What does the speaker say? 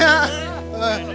ya itu dia